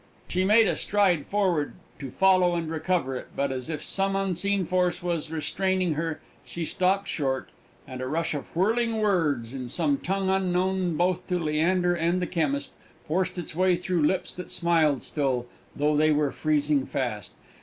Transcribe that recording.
She made a stride forward to follow and recover it; but, as if some unseen force was restraining her, she stopped short, and a rush of whirling words, in some tongue unknown both to Leander and the chemist, forced its way through lips that smiled still, though they were freezing fast.